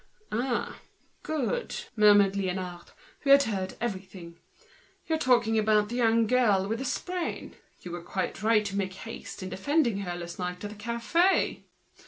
"Ah! good!" murmured Liénard, who had heard all, "you're talking about the young girl with the sprain. You were quite right to be so quick in defending her last night at the café!"